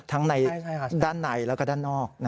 ทั้งในด้านในแล้วก็ด้านนอก